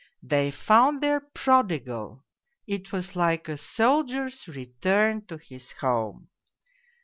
They found their prodigal, it was like a soldier's return to his home.